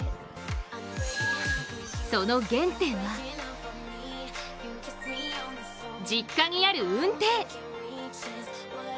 その原点は実家にある、うんてい。